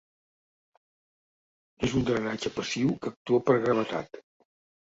És un drenatge passiu que actua per gravetat.